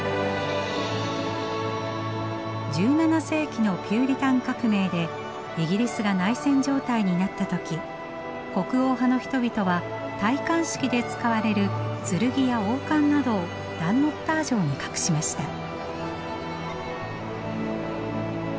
１７世紀のピューリタン革命でイギリスが内戦状態になった時国王派の人々は戴冠式で使われる剣や王冠などをダンノッター城に隠しました。